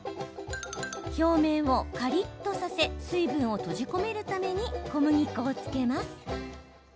表面をカリッとさせ水分を閉じ込めるために小麦粉をつけます。